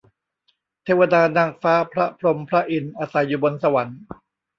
เทวดา นางฟ้า พระพรหม พระอินทร์ อาศัยอยู่บนสวรรค์